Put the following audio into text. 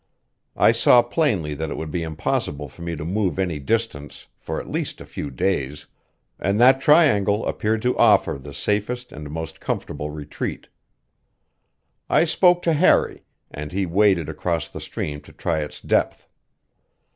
I saw plainly that it would be impossible for me to move any distance for at least a few days, and that triangle appeared to offer the safest and most comfortable retreat. I spoke to Harry, and he waded across the stream to try its depth.